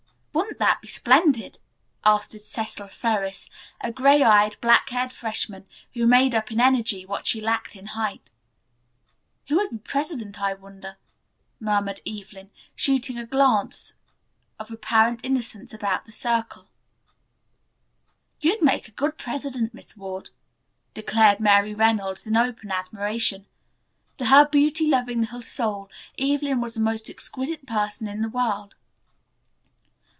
"Wouldn't that be splendid?" asked Cecil Ferris, a gray eyed, black haired freshman who made up in energy what she lacked in height. "Who would be president I wonder," murmured Evelyn, shooting a glance of apparent innocence about the circle. "You'd make a good president, Miss Ward," declared Mary Reynolds, in open admiration. To her beauty loving little soul Evelyn was the most exquisite person in the world.